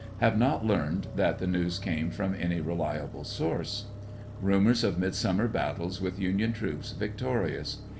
Have not learned that the news came from any reliable source. Rumors of midsummer battles with Union troops victorious.